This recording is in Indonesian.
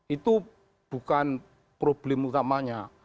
itu bukan problem utamanya